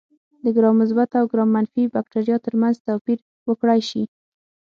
د ګرام مثبت او ګرام منفي بکټریا ترمنځ توپیر وکړای شي.